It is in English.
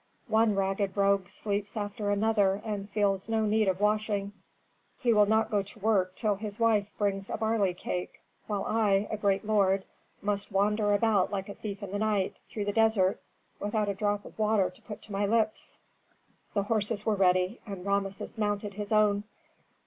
One ragged rogue sleeps after another and feels no need of washing: he will not go to work till his wife brings a barley cake; while I, a great lord, must wander about, like a thief in the night, through the desert, without a drop of water to put to my lips." The horses were ready, and Rameses mounted his own.